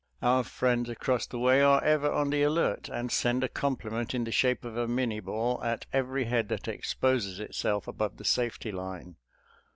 Our friends across the way are ever on the alert, and send a compliment in the shape of a Minie ball at every head that ex poses itself above the safety line.